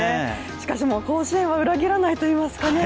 しかし甲子園は裏切らないといいますかね